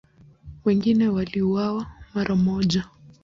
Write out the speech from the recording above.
Wengine waliuawa mara moja.